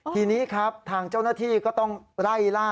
ทีนี้ครับทางเจ้าหน้าที่ก็ต้องไล่ล่า